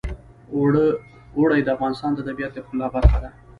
اوړي د افغانستان د طبیعت د ښکلا برخه ده.